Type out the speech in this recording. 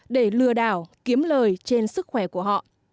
để lừa đảo kiếm lời trên sức khỏe của họ